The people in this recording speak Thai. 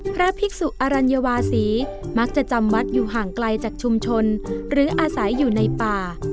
พระภิกษุอรัญวาศีมักจะจำวัดอยู่ห่างไกลจากชุมชนหรืออาศัยอยู่ในป่า